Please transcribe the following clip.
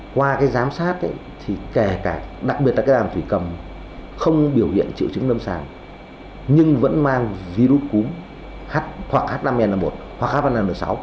qua cái giám sát thì kể cả đặc biệt là cái đàm thủy cầm không biểu hiện triệu chứng năm sáng nhưng vẫn mang virus cúm hoặc h năm n một hoặc h năm n sáu